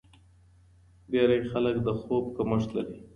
ډېری خلک د خوب کمښت لري.